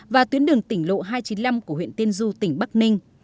và tuyến đường tỉnh lộ hai trăm chín mươi năm của huyện tiên du tỉnh bắc ninh